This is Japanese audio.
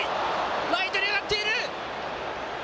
ライトに上がっている。